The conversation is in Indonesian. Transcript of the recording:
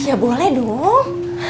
ya boleh dong